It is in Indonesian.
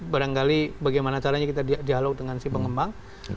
barangkali bagaimana caranya kita dialog dengan si pengembang